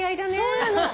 そうなの。